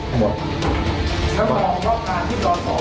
ถ้ามองว่าการที่ดศเข้าไปกลับ